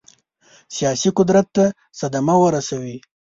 سیاسي قدرت ته صدمه ورسوي.